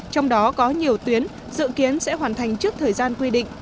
trong đó có nhiều tuyến dự kiến sẽ hoàn thành trước thời gian quy định